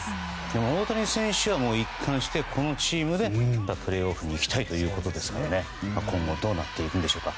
大谷選手は一貫してこのチームでプレーオフに行きたいということですから今後どうなっていくんでしょうか。